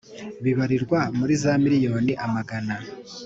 bibarirwa muri za miriyoni amagana